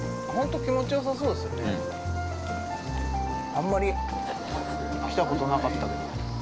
◆あんまり来たことなかったけど。